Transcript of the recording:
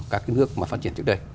các nước mà phát triển trước đây